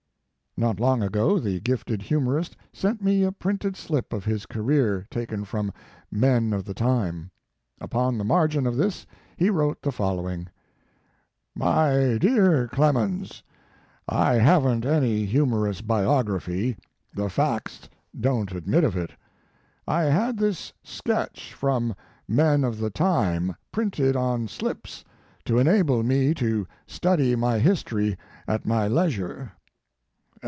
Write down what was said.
Not long ago the gifted humorist sent me a printed slip of his career, taken from "Men of the Time." Upon the margin of this, he wrote the following: "Mv DEAR CLEMENS: "I haven t any humor ous biography the facts don t admit of it. I had this sketch from "Men of the Time" printed on slips to enable me to study my history at my leisure.